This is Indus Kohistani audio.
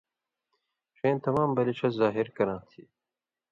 ݜَیں تمام بلی ݜس ظاہر کراں تھی